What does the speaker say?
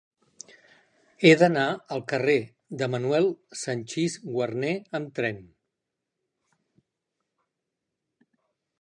He d'anar al carrer de Manuel Sanchis Guarner amb tren.